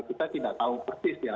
kita tidak tahu persis ya